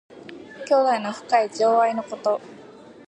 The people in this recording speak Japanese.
兄弟の深い情愛のこと。